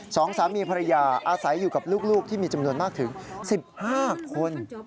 สองสามีภรรยาอาศัยอยู่กับลูกที่มีจำนวนมากถึง๑๕คน